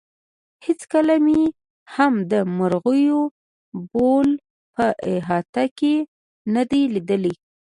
هېڅکله مې هم د مرغیو بول په احاطه کې نه دي لیدلي.